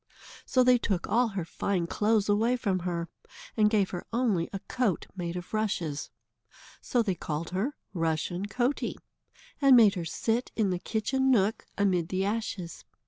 So they took all her fine clothes away from her, and gave her only a coat made of rushes. So they called her Rushen Coatie, and made her sit in the kitchen nook, amid the ashes.